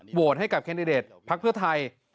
โหวตให้กับแคนดิเดตภักดิ์เพื่อไทย